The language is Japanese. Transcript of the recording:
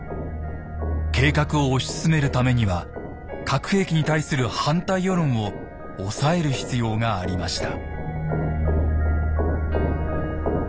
計画を推し進めるためには核兵器に対する反対世論を抑える必要がありました。